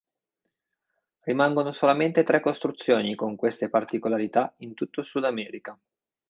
Rimangono solamente tre costruzioni con queste particolarità in tutto il Sudamerica.